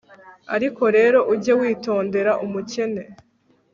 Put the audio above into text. ariko rero, ujye witondera umukene